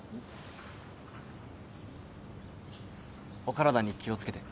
お体に気を付けて。